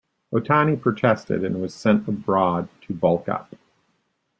Otani protested and was sent abroad to bulk up.